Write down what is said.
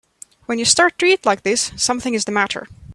When you start to eat like this something is the matter.